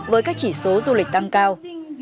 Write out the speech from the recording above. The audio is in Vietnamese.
với các chỉ số du lịch tăng cao